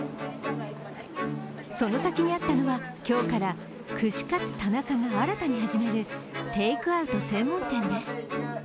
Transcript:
その先にあったのは、今日から串カツ田中が新たに始めるテイクアウト専門店です。